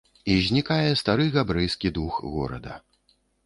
І знікае стары габрэйскі дух горада.